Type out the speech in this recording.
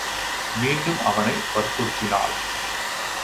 மீண்டும் அவனை வற்புறுத்தினாள்.